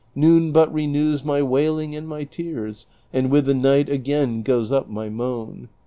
Noon but renews my wailing and my tears; And with the night again goes up my moan.